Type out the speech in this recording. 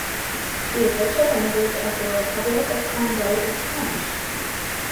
The official language of the Republic of Congo is French.